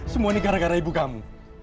semua ini gara gara ibu kamu